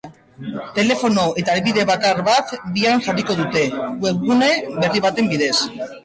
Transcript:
Telefono eta helbide bakar bat bian jarriko dute, webgune berri baten bidez.